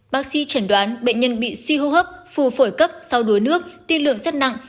bác sĩ chẩn đoán bệnh nhân bị suy hô hấp phù phổi cấp sau đuối nước tiên lượng rất nặng